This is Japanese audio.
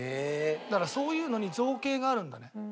だからそういうのに造詣があるんだね